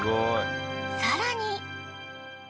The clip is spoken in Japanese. ［さらに］